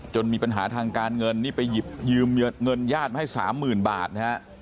มีปัญหาทางการเงินนี่ไปหยิบยืมเงินญาติมาให้๓๐๐๐บาทนะฮะ